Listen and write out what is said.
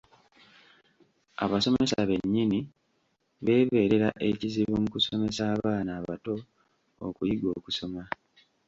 Abasomesa bennyini beebeerera ekizibu mu kusomesa abaana abato okuyiga okusoma.